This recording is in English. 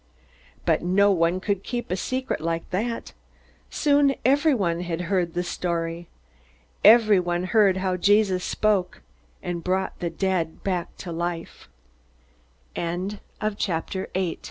But no one could keep a secret like that. Soon everyone had heard the story. Everybody heard how Jesus spoke and brought the dead back to